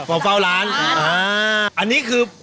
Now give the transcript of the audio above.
มาเฝ้าร้านนะครับ